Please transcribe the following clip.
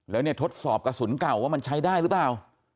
แล้วเนี่ยทดสอบกระสุนเก่าว่ามันใช้ได้หรือเปล่า